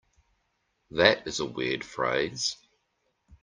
That is a weird phrase.